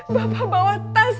bapak bawa tas